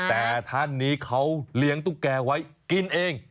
แต่ท่านนี้เขาเลี้ยงตุ๊กแกไว้กินเอง